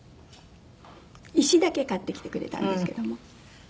石だけ買ってきてくれたんですけども。